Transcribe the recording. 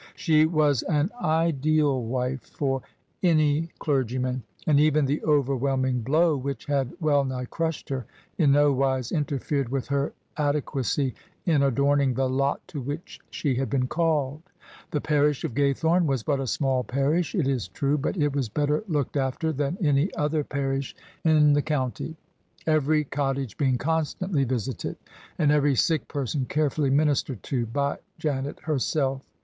She was an ideal wife for any clergyman; and even the overwhelming blow which had well nigh crushed her in no wise interfered with her ade quacy in adorning the lot to which she had been called. The parish of Gaythorne was but a small parish, it is true; but it was better looked after than any other parish in the [ 222 ] OF ISABEL CARNABY county, every cottage being constantly visited and every sick person carefully ministered to by Janet herself.